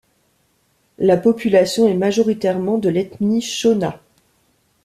La population est majoritairement de l'ethnie shona.